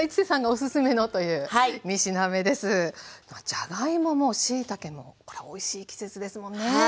じゃがいももしいたけもこれおいしい季節ですもんね。